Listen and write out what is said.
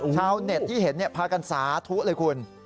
ชาวเน็ตที่เห็นพากันสาธุเลยคุณ